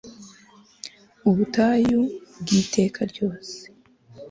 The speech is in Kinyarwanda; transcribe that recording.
ubutayu bw'iteka ryose